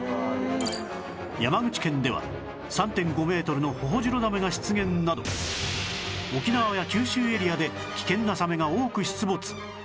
山口県では ３．５ メートルのホホジロザメが出現など沖縄や九州エリアで危険なサメが多く出没